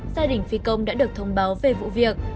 gia đình phi công đã được thông báo về vụ việc